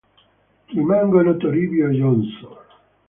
Rimangono Toribio e Johnson.